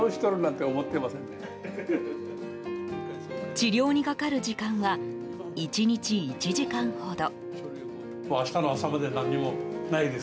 治療にかかる時間は１日１時間ほど。